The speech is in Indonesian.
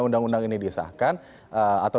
undang undang ini disahkan atau